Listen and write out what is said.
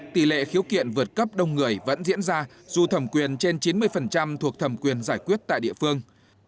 tỷ lệ khiếu kiện vượt cấp đông người vẫn diễn ra dù thẩm quyền trên chín mươi thuộc thẩm quyền giải quyết tại địa phương